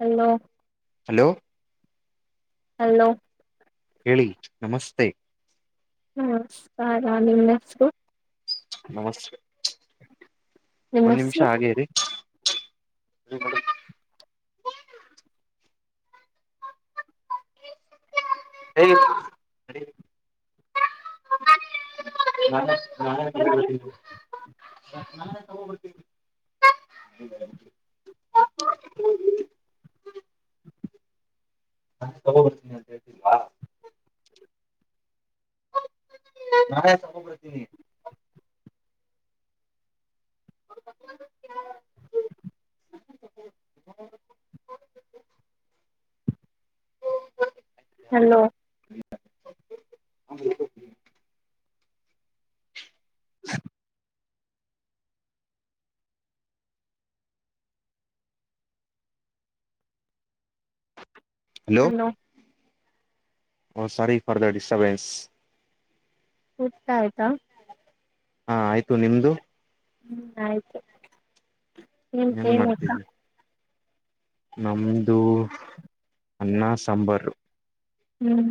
Hello hello hello ಹೇಳಿ ನಮಸ್ತೆ ನಮಸ್ಕಾರ ನಿಮ ಹೆಸರು ನಮಸ್ತೆ...... ನಿಮ್ಮ ಒಂದ ನಿಮಿಷ ಹೆಸರು ಹಾಗೇರಿ ಹ ಹ... ನ ನಾನ ಹ [inaudible] [inaudible] ಬಾ ನಾನಾ ತುಂಗಡ ಬರತನಿ.. [unintelligible] [unintelligible] [inaudible] [unintelligible] ಹಲೋ ಓ ಸಾರಿ ಫಾರ್ ಪಾಡಿದಡಿ ಸಾವಿಸೆ ಊತ ಆಯ್ತಾ ಹಾ ಆಯ್ತು ನಿಮ್ದು ಹ್ಮ್ ಆಯ್ತು ಏನ್ ಮಾಡ್ತಿದ್ದಿರಾ. ನಮದು ಅನ್ನಾ ಸಾಂಬಾರು ಹ್ಮ್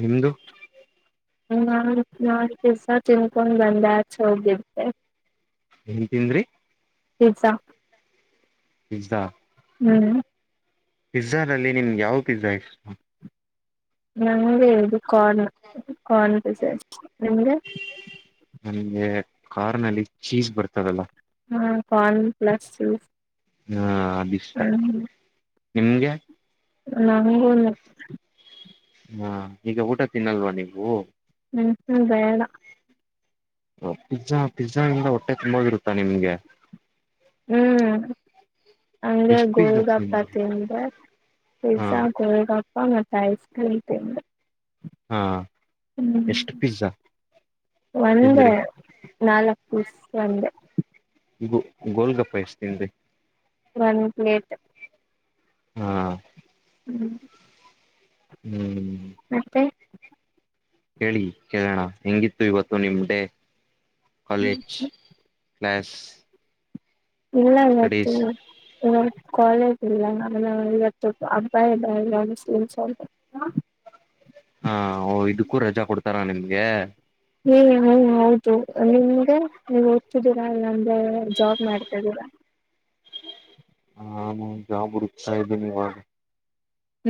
ನಿಮ್ಮದು ನಾ ನಾ ದಸ ತಿನ್ಕೊಂಡು ಬಂದ ಹಚ ಹೋಗ ಏನ್ ತಿಂದ್ರಿ ಪಿಜ್ಜಾ ಪಿಜ್ಜಾ ಹ್ಮ್ ಪಿಜ್ಜಾ ದಲ್ಲಿ ನಿಮಗೆ ಯಾವ ಪಿಜ್ಜಾ ಇ ನಂಗೆ ಇದು ಕಾರ್ನ್ ಕಾರ್ನ್ ಪಿಜ್ಜಾ ನಿಮಗೆ ನನ್ಗೆ ಕಾರ್ ನಲ್ಲಿ ಚೀಸ್ಜ ಬರ್ತದಲ್ಲ ಹಾಂ ಕಾನ್ರ ಪ್ಲಸ್ ಹಾ ಅದ ಹ್ಮ್ ನಿಮ್ಗೆ ನನಗೂ ಹಾ ಈಗ ಊಟ ತಿನ್ನಲ್ವಾ ನೀವು ಹ್ಮ್ ಹ್ಮ ಬೇಡ ಪಿಜ್ಜಾ ಪಿಜ್ಜ ಇಂದ ಹೊಟ್ಟೆ ತುಂಬಾಗಿರುತ್ತಾ ನಿಮ್ಗೆ ಹ್ಮ್ ಹಂಗೆ ಎಷ್ಟು ಪಿಜ್ಜಾ ಗೋಳಗಪಾ ತಿಂದ್ರಿ ತಿಂದೇ ಹಾ ಪಿಜ್ಜಾ ಗೋಳಗಪ್ಪ ಮತ್ತೆ ಐಸ್ ಕ್ರೀಮ ತಿಂದೇ ಹಾ ಎಷ್ಟು ಪಿಜ್ಜಾ ಒಂದೇ ತಿಂದ್ರಿ ನಾಲ್ಕು ಪೀಸ್ ಒಂದೇ ಗೋಳ ಗಪ್ಪ ಎಷ್ಟತೀಂದೆ ಒನ್ ಪ್ಲೇಟ್ ಹಾ ಹ್ಞೂ ಹ್ಮ್ ಮತ್ತೆ ಹೇಳಿ ಕೇಳೋಣ ಹೆಂಗಿತ್ತು ಇವತ್ತು ನಿಮ ಡೆೇ ಕಾಲೇಜ್ ಪ್ಲಾಸ್ ಇಲ್ಲ ಇತ್ತು ಇಂದು ಕಾಲೇಜ್ ಇಲ್ಲ ನ ಇವತ್ತು ಅಬ್ಬ [unintelligible] ಹಾ ಇದಕ್ಕೂ ರಜಾ ಕೊಡ್ತಾರಾ ನಿಮ್ಗೆ ಹ್ಮ ಹ ಹೌದು ನಿಮ್ಗೆ ನೀವು ಓದ್ತಿದ್ದೀರಾ ಇಲ್ಲ ಅಂದೆ ಜಾಬ್ ಮಾಡ್ತಿದ್ದೀರಾ ಹ ಜಾಬ್ ಹುಡುಕ್ತಾ ಇದ್ದೇನೆ ಇವಾಗ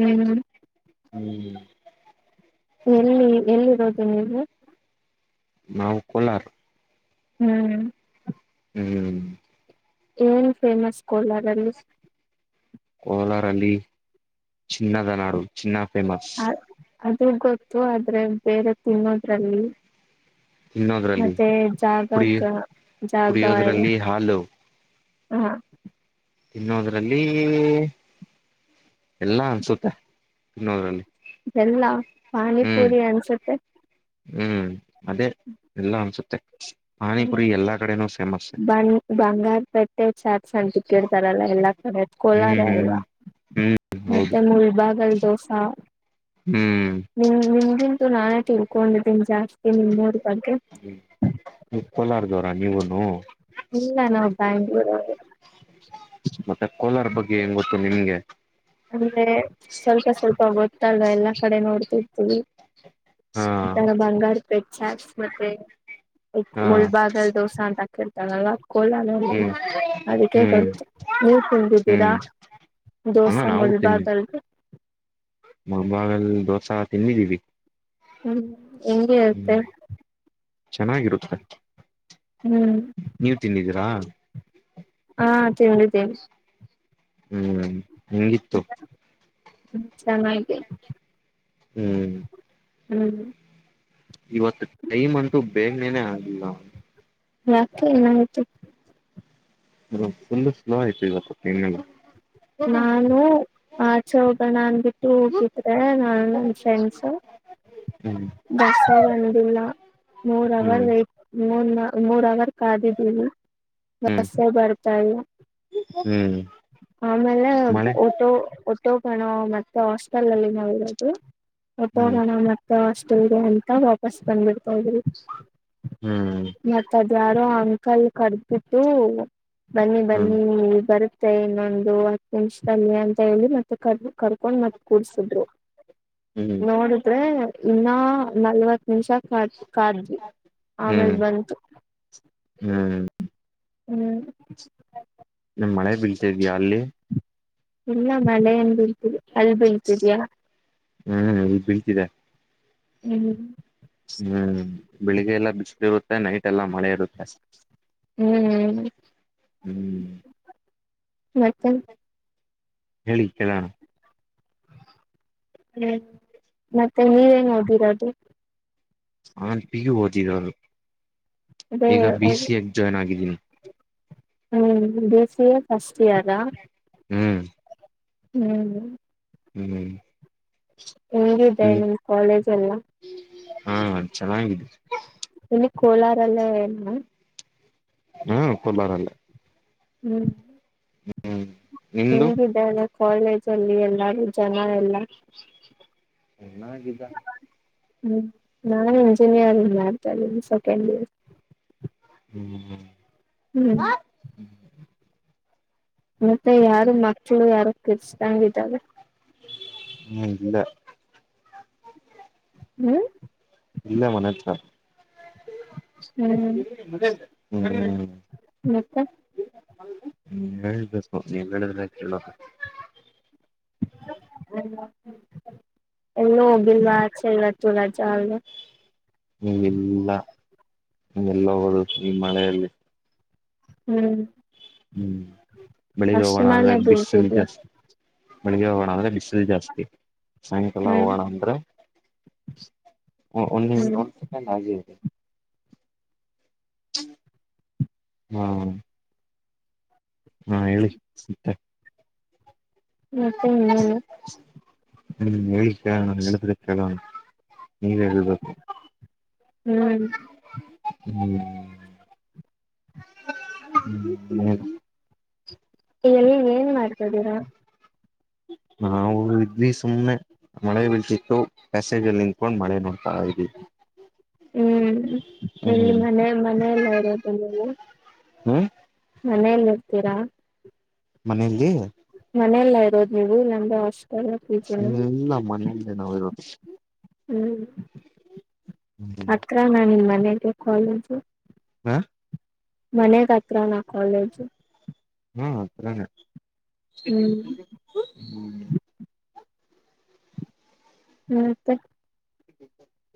ಹ್ಮ್ ಹ್ಮ್ ಎಲ್ಲಿ ಎಲ್ಲಿರೋದು ನೀವು ನಾವು ಕೋಲಾರ ಹ್ಮ್ ಹ್ಮ್ ಏನ್ ಫೇಮಸ್ ಕೋಲಾರಲ್ಲಿ ಕೋಲಾರಲ್ಲಿ ಚಿನ್ನದ ನಾಡು ಚಿನ್ನ ಫೇಮಸ್ ಅದು ಗೊತ್ತು ಆದ್ರೆ ಬೇರೆ ತಿನ್ನೋದ್ರಲ್ಲಿ ತಿನ್ನೋದ್ರಲ್ಲಿ ಮತ್ತೆ ಕುಡಿಯ ಜಾಗಕ್ಕ ಜಾಗ ಎಲ್ಲ ಕುಡಿಯೋದ್ರಲ್ಲಿ ಹಾಲು ಹಾ ತಿನ್ನೋದ್ರಲ್ಲಿ ಎಲ್ಲಾ ಅನ್ಸುತ್ತೆ ತಿನ್ನೋದ್ರಲ್ಲಿ ಇದೆಲ್ಲ ಹ್ಮ್ ಪಾನಿಪುರಿ ಅನ್ಸುತ್ತೆ ಹ್ಮ್ ಅದೇ ಎಲ್ಲ ಅನ್ಸುತ್ತೆ ಪಾನಿಪುರಿ ಎಲ್ಲಾ ಕಡೆನೂ ಫೇಮಸ್ ಬಂಗಾರ ಪಟ್ಟೆ ಚಾಟ್ ಅಂತ ಇಟ್ಟಿರ್ತಾರೆ ಅಲ್ವಾ ಎಲ್ಲಾ ಕಡೆ ಕೋಲಾರ ಹ್ಮ್ ಅಲ್ವಾ ಹ್ಮ್ ಹ್ಮ್ ಹೌದು ಮತ್ತೆ ಮುಳಬಾಗಲ್ ದೋಸ ಹ್ಮ್ ನಿಮ ನಿಮಗಿಂತೂ ನಾನೇ ತಿಳ್ಕೊಂಡಿದ್ದೀನಿ ಜಾಸ್ತಿ ನಿಮೂರ ಬಗ್ಗೆ ಹ್ಮ ಕೋಲಾರದವರ ನೀವುನು ಇಲ್ಲ ನಾವು ಬೆಂಗಳೂರು ಅವ್ರು ಮತ್ತೆ ಕೋಲಾರ ಬಗ್ಗೆ ಹೆಂಗ ಗೊತ್ತು ನಿಮ್ಗೆ ಅಂದ್ರೆ ಸ್ವಲ್ಪ ಸ್ವಲ್ಪ ಗೊತ್ತು ಎಲ್ಲಾ ಕಡೆ ನೋಡ್ತಿರ್ತಿವಿ ಹಾ ಈತರ ಬಂಗಾರ ಚಾಟ್ಸ್ ಮತ್ತೆ ಹಾ ಮುಳ್ಬಾದಲ್ ದೋಸಾ ಅಂತ ಹಾಕಿಳ್ತಾರಲ್ವಾ. ಕೋಲಾರಲ್ಲಿ ಹ್ಮ್ ಹ್ಮ್ ಅದಕ್ಕೆಗೊತ್ತು ನೀವು ತಿಂದಿದ್ದೀರಾ ಹ್ಮ್ ಹಾ ದೋಸಾ ನಾವು ತಿಂದಿವಿ ಮುಳಬಾಗಿಲುದು ಮುಳಬಾಗಲ್ ದೋಸಾ ತಿನ್ನಿದೀವಿ ಹ್ಮ್ ಹೆಂಗೆ ಇರುತ್ತೆ ಚೆನ್ನಾಗಿರುತ್ತೆ ಹ್ಮ್ ನೀವು ತಿಂದಿದ್ದೀರಾ ಹಾ ತಿಂದಿದೀನಿ ಹ್ಮ್ ಹೆಂಗಿತ್ತು ಮತ್ತೆ [unintelligible] ಹ್ಮ್ ಹ್ಮ್ ಇವತ್ತು ಟೈಮ್ ಅಂಟು ಬೇಗನೆೇನೆ ಆಗ್ತಿಲ್ಲ ಯಾಕೆ ಏನಾಯ್ತು ತುಂಬಾ ಸ್ಲೋ ಆಯ್ತು ಇವತ್ತು ದಿನಯೆಲ್ಲಾ ನಾನು ಆಚೆ ಹೋಗೋಣ ಅಂದಬಿಟ್ಟು ಹೋಗಿದ್ರೆ ನಾ ನನ್ ಫ್ರೆಂಡ್ಸ್ ಹ್ಮ್ ಬಸ್ಹೇ ಬಂದಿಲ್ಲ ಮೂರ್ ಅವರ್ ಹ್ಮ್ ವೇಟ್ ಮೂರ್ ಮೂರ್ ಅವರ್ ಕಾದಿದೀವಿ ಹ್ಮ್ ಬಸ್ ಬರ್ತಾಯಿಲ್ಲ ಹ್ಮ್ ಆಮೇಲೇ ಮಳೆ ಹೊಟೊಗೊಣ ಮತ್ತೆ ಹಾಸ್ಟೆಲ್ ಅಲ್ಲಿ ನಾವಲ್ಲ ಹ್ಮ್ ಹೊಟೊಗೊಣ ಮತ್ತ ಹಾಸ್ಟೆಲ್ ಗೆ ಅಂತ ವಾಪಸ್ ಬಂದ್ಬಿಡ್ತಾ ಇದ್ವಿ ಹ್ಮ್ ಮತ್ತ ಅದು ಯಾರು ಅಂಕಲ್ ಕರೆದುಬಿಟ್ಟು ಬನ್ನಿ ಹ್ಮ್ ಬನ್ನಿ ಬರುತ್ತೆ ಇನ್ನೊಂದು ಹತ್ತು ನಿಮಿಷದಲ್ಲಿ ಅಂತ ಹೇಳಿ ಮತ್ತೆ ಕರೆದು ಮತ್ತೆ ಕೂರಿಸಿದ್ರು ಹ್ಮ್ ನೋಡಿದ್ರೆ ಇನ್ನ ನಲ್ವತ್ ನಿಮಷ ಕಾದ ಕಾದ್ವಿ ಆಮೇಲ್ ಹ್ಮ್ ಬಂತು ಹ್ಮ್ ಹ್ಞ ಮಳೆ ಬೀಳ್ತ ಇದ್ಯಾಯಾ ಅಲ್ಲಿ ಇಲ್ಲ ಮಳೆನ್ ಬೀಳ್ತಿದ ಇಲ್ಲ ಅಲ್ಲಿ ಬೀಳ್ತಿಯಿದಿಯ ಹ್ಮ್ ಇಲ್ಲಿ ಬೀಳ್ತಿದೆ [unintelligible] ಹ್ಮ್ ಬೆಳಿಗ್ಗೆ ಎಲ್ಲಾ ಬಿಸಿಲು ಇರುತ್ತೆ ನೈಟ್ ಎಲ್ಲಾ ಮಳೆ ಇರುತ್ತೆ ಹ್ಮಹ್ಮ್ ಹ್ಮ್ ಮತ್ತ ಹೇಳಿ ಕೇಳೋಣ ಹ್ಮ್ ಮತ್ತೆ ನೀವೇನ್ ಓದಿರೋದು ನಾನ್ ಪಿ. ಯು ಓದಿರೋದು ಅದೇ ಈಗ ಬಿ. ಸಿ. ಎ ಗೆ ಜಾಯ್ನ್ ಆಗಿದ್ದೀನಿ ಹ್ಞೂ ಬಿ. ಸಿ. ಎ ಫಸ್ಟ್ ಇಯರಾ ಹ್ಮ್ ಹ್ಮ್್ಮ ಹ್ಮ್ ಹೆಂಗಿದೆ ನಿಮ್ ಕಾಲೇಜ್ ಎಲ್ಲ ಹ್ಮ್ ಚೆನ್ನಾಗಿದೆ ಎಲ್ಲಿ ಕೋಲಾರಲ್ಲೇ ನಾ ಹ್ಮ ಕೋಲಾರಲ್ಲೇ ಹ್ಮ್ ನಿಮ್ದು ಹೆಂಗಿದ್ದಾರೆ ಕಾಲೇಜ್ ಅಲ್ಲಿ ಎಲ್ಲಾರು ಜನ ಎಲ್ಲಾ ಚನ್ನಾಗಿದ್ದಾರೆ ಹ್ಮ್ ನಾನ್ ಇಂಜಿನಿಯರಿಂಗ್ ಮಾಡ್ತಾ ಇದನಿ ಸೆಕೆಂಡ್ ಇಯರ್ ಹ್ಮ್ ಹ್ಮ್ ಹ್ಮ್ ಮತ್ತೆ ಯಾರು ಮಕ್ಳು ಯಾರು ಕಿರಿಚಿದಂಗಿದ್ದರೆ ಹ್ಮ್ ಇಲ್ಲೇ ಹ್ಮ್ ಇಲ್ಲೆ ಮನೆ ಹತ್ರ ಹ್ಮ್ ಮ [unintelligible] ಮತ್ತೆ ಹ್ಮ್ ಹೇಳ್ಬೇಕು ನೀವ್ ಹೇಳುದ್ರೆ ಕೇಳದ ಎಲ್ಲೂ ಹೋಗಿಲ್ವಾ ಆಚೆ ಇವತ್ತು ರಾಜ ಅಲ್ವಾ ಹ್ಮ್ ಇಲ್ಲ ಎಲ್ ಹೋಗದು ಈ ಮಳೆಯಲ್ಲಿ ಹ್ಮ್ ಹ್ಮ್ ಬೆಳಿಗ್ಗೆ ಅಷ್ಟ್ ಹೋಗೋಣ ಅಂದ್ರೆ ಮಳೆ ಬಿಸಲು ಬೀಳ್ತಿದ್ಯಾ ಜಾಸ್ತಿ ಬೆಳಿಗ್ಗೆ ಹೋಗೋಣ ಅಂದ್ರೆ ಬಿಸಿಲು ಜಾಸ್ತಿ ಸಾಯಂಕಾಲ ಹ್ಮ್ ಹೋಗೋಣ ಅಂದ್ರೆ ಒಂದ್ ಹ್ಮ್ ಒಂದ್ ಸೆಕೆಂಡ್ ಹಾಗೆ ಇರಿ ಹ್ಮ ಹಾ ಹೇಳಿ ಮತ್ತೆ ಮತ್ತೆ ಇನ್ನೇನು ಹ್ಮ್ ಹೇಳಿ ಕೇಳೋಣ ನೀವ್ ಹೇಳಿದ್ರೆ ಕೇಳೋಣ ನೀವೆ ಹೇಳ್ಬೇಕು ಹ್ಮ್ ಹ್ಮ ಇನ್ನೇನು ಏನ್ ಮಾಡ್ತಿದ್ದೀರಾ ನಾವು ಇದ್ವಿ ಸುಮ್ಮನೆ ಮಳೆ ಬೀಳ್ತಿತ್ತು ಪ್ಯಸೇಜ್ ಅಲ್ಲಿ ನಿಂತ್ಕೊಂಡು ಮಳೆ ನೋಡ್ತಾ ಇದವಿ ಹ್ಮ್ ಎಲ್ಲಿ ಹ್ಮ್ ಮನೆ ಮನೆಯಲ್ಲಾ ಇರೋದು ನೀವು ಹ್ಮ್ ಮನೆಯಲ್ಲಿ ಇರ್ತೀರಾ ಮನೆಯಲ್ಲಿ ಮನೇಲ ಇರೋದು ನೀವು ನಮ್ದು ಹಾಸ್ಟಲ್ ಇ್ಮ ಇಲ್ಲಮ್ಮನೆಯಲ್ಲೇನರೋದು ಹ್ಮ್ ಹ್ಮ ಹ್ಮ್ [inaudible] ಮನಗೆ ಕಾಲೇಜು ಹಾ ಮನೆಗತ್ರ ನ ಕಾಲೇಜು ಹಾ ಹತ್ರಾನೆ ಹ್ಮ್ ಹ ಹ್ಮ ಮ್ಮತ್ತೆ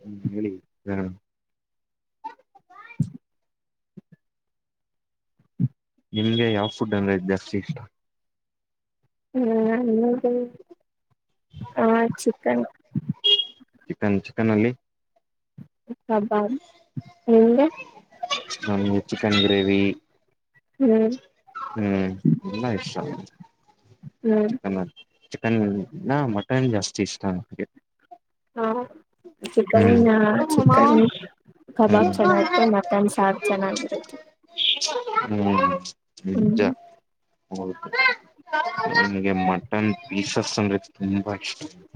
ಹ್ಮ ಹೇಳಿ ಹಾ [inaudible] ನಿಮ್ಗೆ ಯಾವ ಫುಡ್ ಅಂದ್ರೆ ಜಾಸ್ತಿ ಇಷ್ಟ ಹಾ ನನಿಗೆ ಹ ಚಿಕನ್ ಚಿಕನ್ ಚಿಕನ್ ಅಲ್ಲಿ ಕಬಾಬ್ ನಿನಗೆ ನಮ್ಗೆ ಚಿಕನ್ ಗ್ರೇವಿ ಹ್ಮ್ ಎಲ್ಲ ಇಷ್ಟ ಹ್ಮ್ ಚಿಕನ್ ಚಿಕನ್ ನ ಮಟನ್ ಜಾಸ್ತಿ ಇಷ್ಟ ಹಾ ಚಿಕನ್ ಹ್ಮ್ ಹ ಚಿಕನ್ ಕಬಾಬ್ ಚೆನ್ನಾಗತ್ತೆ ಮಟನ್ ಸಾಾರ್ ಚೆನ್ನಾಗಿರುತ್ತೆ ಹ್ಮ್ ನಿ ಹ್ಮ್ [unintelligible] ಹೌದು ನನಗೆ ಮಟನ್ ಪೀಸಸ್ ಅಂದ್ರೆ ತುಂಬಾ ಇಷ್ಟ [unintelligible]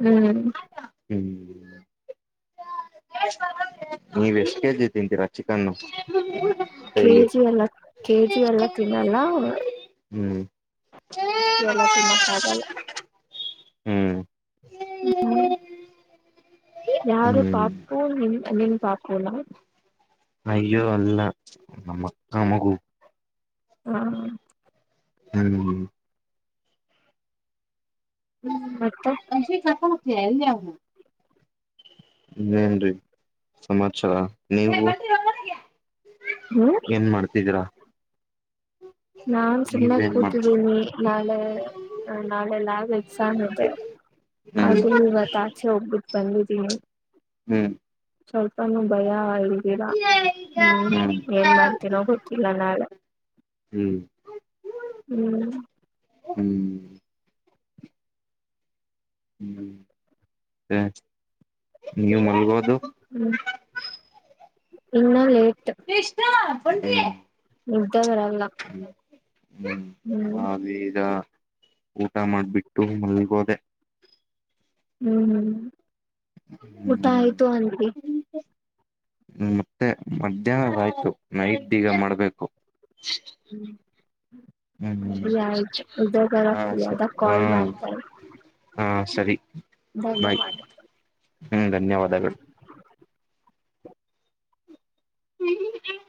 ಹ್ಮ್ ಹ್ಮ್ ನೀವ ಎಷ್ಟ ಕೆಜಿ ತಿಂತೀರಾ ಚಿಕನ್ನು ಡೈಲಿ ಕೆಜಿ ಎಲ್ಲ ಕೆ ಜಿ ಎಲ್ಲ ತಿನ್ನಲ್ಲಿ ಹ್ಮ್ ಎಲ್ಲ ತಿನ್ನಕ್ಕ ಆಾಗಲ್ಲ ಹ್ಮ್ ಹ್ಮ್ ಯಾರು ಹ್ಮ್ ಪಾಪು ನಿನ್ ನೀನ್ ಪಾಪುನ ಅಯ್ಯೋ ಅಲ್ಲ ನಮ್ಮ ಅಕ್ಕ ಮಗು ಹಾ ಹ್ಮ್ ಹ್ಮ್ ಮತ್ತೆ ವಿಷ ಕಟ್ಟ ಹಕ್ಕೆೆಲ್ಲ [unintelligible] ಏನ್ರಿ ಸಮಾಚಾರ ನೀವು ಹ್ಮ್ ಏನ್ ಮಾಡ್ತಿದೀರಾ ನಾನ್ ಸುಮ್ಮನೆಾಗಿ ನೀವೇನ್ ಮಾಡ್ತಿದೀರ ಕೂತಿದ್ದೀನಿ ನಾಳೆ ನಾಳೆ ಲಾಗ ಎಕ್ಸಾಮ್ ಇದೆ ಹ್ಮ್ ಆದ್ರೂ ಇವತ್ತ ಆಚೆ ಹೋಗ್ಬಿಟ್ಟು ಬಂದಿದ್ದೀನಿ ಹ್ಞೂ ಸ್ವಲ್ಪನುೂ ಭಯ ಇದ್ದೀರಾ ಹ್ಮ್ ಏನ್ ಮಾಡ್ತೀನೋ ಗೊತ್ತಿಲ್ಲ ನಾಳೆ ಹ್ಞೂ ಹ್ಮ್ ಹ್ಮ್ ಹ್ಮ್ ಸ ನೀವು ಮಲ್ಗೋದು ಹ್ಮ್ ಇನ್ನ ಲೇಟ್ ಇಷ್ಟ ಕೊನ್್ರಿ [unintelligible] ನಿ್ದರ [unintelligible] ಹ್ಮ್ ಹಾಗ ಈಗ ಊಟ ಮಾಡ್ಬಿಟ್ಟು ಮಲ್ಲಿಗೋದೆ ಹ್ಮ್ ಹ್ಮ್ ಊಟ ಆಯ್ತು ಅಂದರೀ ಹ್ಮ್ ಮತ್ತೆ ಮಧ್ಯಾಹ್ನ ಆಯ್ತು ನೈಟ್ ಈಗ ಮಾಡ್ಬೇಕು ಹ್ಮ್ ಹ್ಮ ಆಯ್ತು ಹಾ ಇದ್ರರದಾಗ ಹ ಕಾಲ್ ಮಾಡ್ತಾ ಇ ಹಾ ಸರಿ ಬಾಯ್ ಧನ್ಯವಾದ. ಹ್ಮ್ ಧನ್ಯವಾದಗಳು. ಹ್ಮ್ ಹ್ಮ